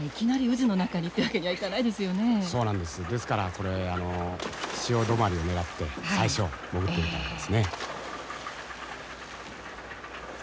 ですからこれ潮止まりを狙って最初潜ってみたんですね。